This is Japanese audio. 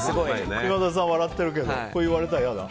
今田さん笑ってるけどこう言われたら嫌だ？